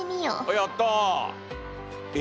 やった！え？